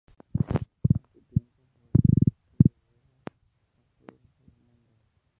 En su tiempo fue el buque de guerra más poderoso del mundo.